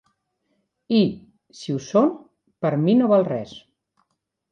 I, si ho són, per mi no val res.